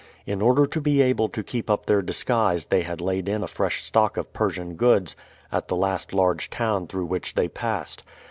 In order to be able to keep up their disguise they had laid in a fresh stock of Persian goods at the last large town through which they passed.